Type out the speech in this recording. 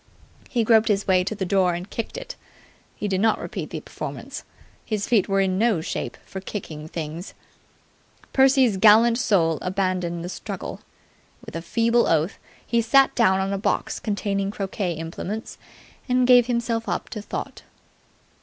He groped his way to the door and kicked it. He did not repeat the performance. His feet were in no shape for kicking things. Percy's gallant soul abandoned the struggle. With a feeble oath, he sat down on a box containing croquet implements, and gave himself up to thought.